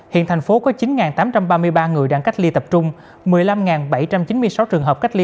hiện thành phố có chín tám trăm ba mươi ba người đang cách ly tập trung một mươi năm bảy trăm chín mươi sáu trường hợp cách ly